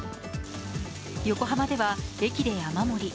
横浜では駅で雨漏り。